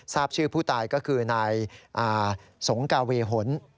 ทราบชื่อผู้ตายก็คือนายสงกาเวหน